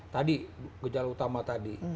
tadi gejala utama tadi